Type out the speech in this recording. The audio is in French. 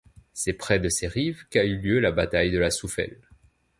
C'est près de ses rives qu'a eu lieu la bataille de La Souffel.